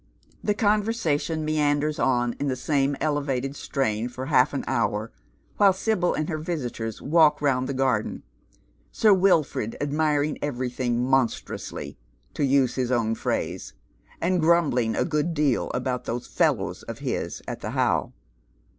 The conversation meanders on in the same elevated strain for half an hour while Sibyl and her visitors walk round the garden, Sir Wilford admiring eveiything " monstrously," to use his own phrase, and grumbling a good deal about those " fellows " of his at the How.